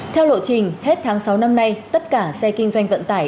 theo lộ trình hết tháng sáu năm nay tất cả xe kinh doanh vận tải